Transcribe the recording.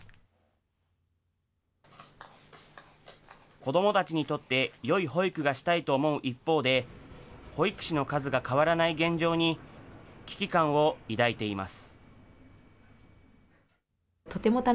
子どもたちにとってよい保育がしたいと思う一方で、保育士の数が変わらない現状に、危機感を抱いています。